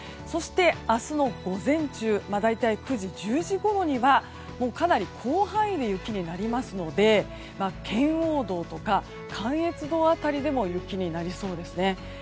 そして、明日の午前中大体９時、１０時ごろにはかなり広範囲で雪になりますので圏央道とか関越道辺りでも雪になりそうですね。